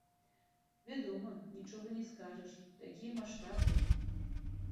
Вядома, нічога не скажаш, такія маштабы!